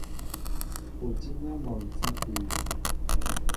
O tí na mol sapi?